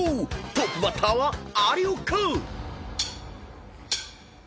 トップバッターは有岡］